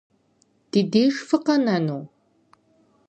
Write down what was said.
Ди деж фыкъэнэну?